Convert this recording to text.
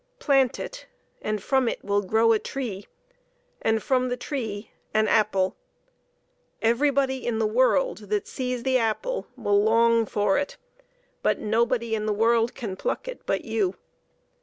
Plant it, and from it will grow a tree, and from the tree an apple. Everybody in the world that sees the apple will long for it, but nobody in the world can pluck it but you.